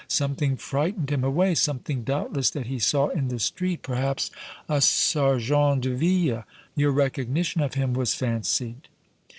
Something frightened him away, something, doubtless, that he saw in the street, perhaps a sergent de ville. Your recognition of him was fancied."